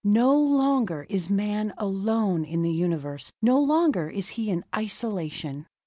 No longer is man alone in the universe; no longer is he in isolation!